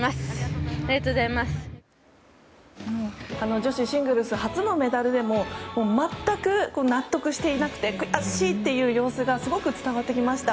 女子シングルス初のメダルでも全く納得していなくて悔しいという様子がすごく伝わってきました。